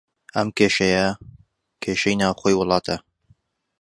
ئەم کێشەیە، کێشەی ناوخۆی وڵاتە